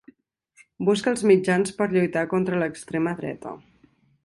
Busca els mitjans per lluitar contra l'extrema dreta.